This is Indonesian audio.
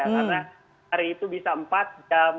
karena hari itu bisa empat jam